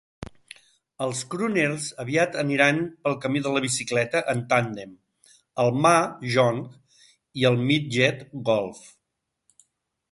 Els crooners aviat aniran pel camí de la bicicleta en tàndem, el mah jongg i el midget golf.